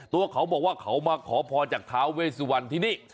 ตัวเขาบอกว่าเขามาขอพรจากท้าเวสวันที่นี่